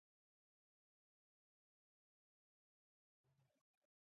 لږه بوره، لږه مالګه، لږ غوړي، ډېر سبزیجات او مېوې ښه دي.